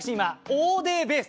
オーデーベース！